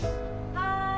・はい。